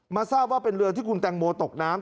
ทราบว่าเป็นเรือที่คุณแตงโมตกน้ำ